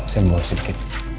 saya mau bawa sedikit